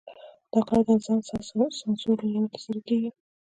دا کار د ځان سانسور له لارې ترسره کېږي.